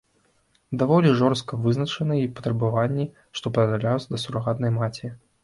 Даволі жорстка вызначаны і патрабаванні, што прад'яўляюцца да сурагатнай маці.